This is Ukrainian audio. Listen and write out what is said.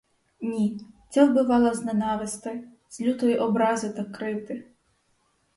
Ні, ця вбивала з ненависти, з лютої образи та кривди.